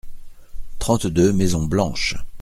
Trente-deux maisons blanches.